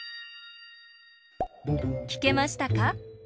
きけましたか？